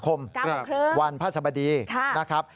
กรรมครึ่งวันพระสบดีนะครับ